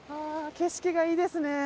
景色がいいですね。